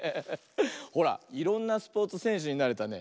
ほらいろんなスポーツせんしゅになれたね。